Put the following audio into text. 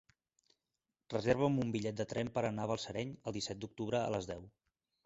Reserva'm un bitllet de tren per anar a Balsareny el disset d'octubre a les deu.